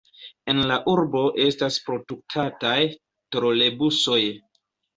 En la urbo estas produktataj trolebusoj.